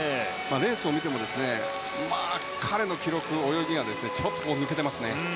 レースを見ても彼の記録、泳ぎがちょっと抜けてますね。